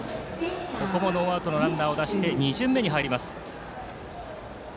ここもノーアウトのランナーを出して２巡目に入ります。